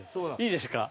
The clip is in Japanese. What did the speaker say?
いいですか？